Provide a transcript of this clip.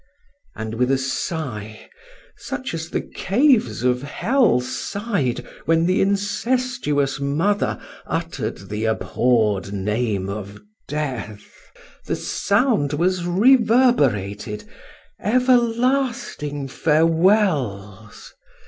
And with a sigh, such as the caves of Hell sighed when the incestuous mother uttered the abhorred name of death, the sound was reverberated—everlasting farewells!